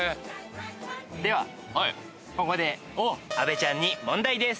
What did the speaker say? ではここで阿部ちゃんに問題です。